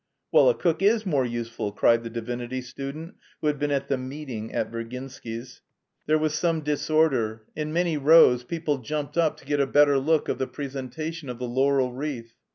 "Well, a cook is more useful," cried the divinity student, who had been at the "meeting" at Virginsky's. There was some disorder. In many rows people jumped up to get a better view of the presentation of the laurel wreath.